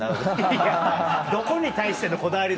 いやどこに対してのこだわりだよ。